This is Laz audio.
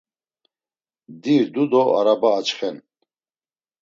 Dirdu do araba açxen.